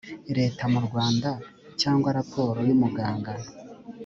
leta mu rwanda cyangwa raporo y umuganga